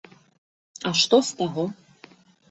А што з таго?